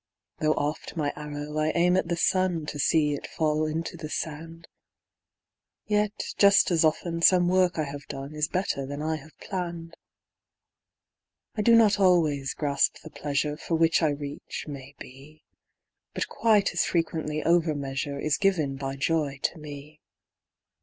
Though oft my arrow I aim at the sun To see it fall into the sand, Yet just as often some work I have done Is better than I have planned. I do not always grasp the pleasure For which I reach, maybe; But quite as frequently over measure Is given by joy to me.